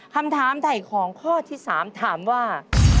คำถามไถ่ของข้อที่๓ถามว่า